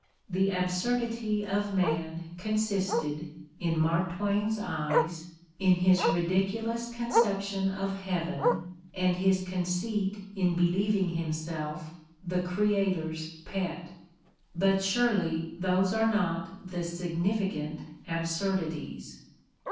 The absurdity of man consisted, in Mark Twain's eyes, in his ridiculous conception of heaven and his conceit in believing himself the Creator's pet. But surely those are not the significant absurdities.